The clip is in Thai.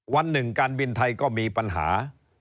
วันหนึ่งการบินไทยก็มีปัญหา